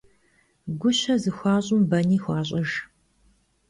Guşe zıxuaş'ım beni xuaş'ıjj.